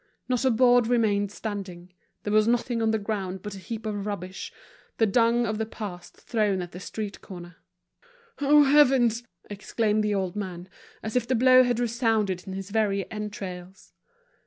Not a board remained standing; there was nothing on the ground but a heap of rubbish, the dung of the past thrown at the street corner. "Oh, heavens!" exclaimed the old man, as if the blow had resounded in his very entrails.